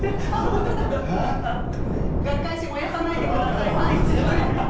学会誌燃やさないでください。